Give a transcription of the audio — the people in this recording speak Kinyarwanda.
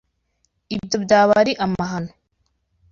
Ibyo byaba ari amahano.